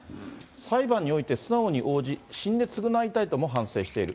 裁判において素直に応じ、死んで償いたいとも反省している。